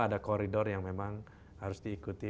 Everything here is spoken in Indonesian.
ada koridor yang memang harus diikuti